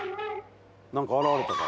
何か現れたか？